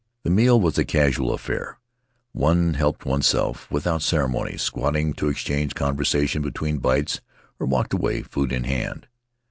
The meal was a casual affair; one helped oneself with out ceremony, squatting to exchange conversation between bites, or walked away, food in hand.